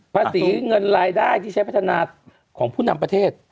เงินรายได้ที่ใช้พัฒนาของผู้นำประเทศ